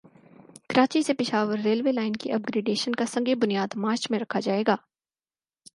کراچی سے Peshawar railway line کی upgradation کا سنگ بنیاد مارچ میں رکھا جائے گا